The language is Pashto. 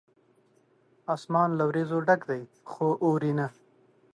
اسمان له وریځو ډک دی ، خو اوري نه